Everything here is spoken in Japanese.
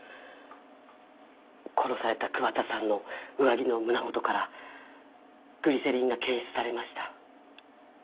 殺された桑田さんの上着の胸元からグリセリンが検出されました